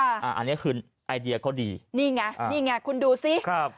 อันนี้คือไอเดียเขาดีนี่ไงนี่ไงคุณดูสิครับ